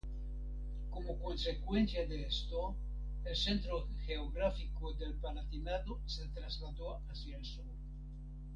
Como consecuencia de esto, el centro geográfico del Palatinado se trasladó hacia el sur.